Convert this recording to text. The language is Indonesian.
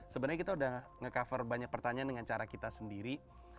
sebenarnya kita udah nge cover banyak pertanyaan dengan cara kita sendiri